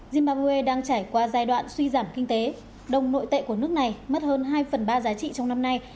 zimbabwe đang trải qua giai đoạn suy giảm kinh tế đồng nội tệ của nước này mất hơn hai phần ba giá trị trong năm nay